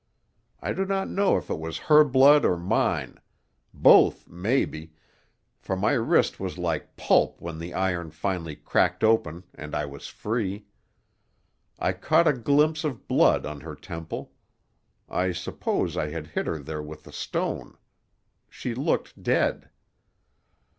I do not know if it was her blood or mine. Both, maybe, for my wrist was like pulp when the iron finally cracked open and I was free. I caught a glimpse of blood on her temple. I suppose I had hit her there with the stone. She looked dead.